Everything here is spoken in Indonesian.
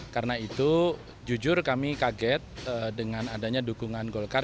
karena itu jujur kami kaget dengan adanya dukungan golkar